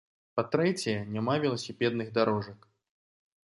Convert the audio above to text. Па-трэцяе, няма веласіпедных дарожак.